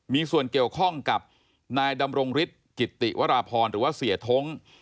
มีส่วนเกี่ยวข้องกับนายดำรงฤทธิกิติวราพรหรือว่าเสียท้ง